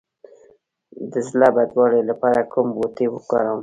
د زړه بدوالي لپاره کوم بوټی وکاروم؟